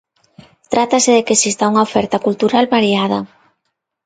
Trátase de que exista unha oferta cultural variada.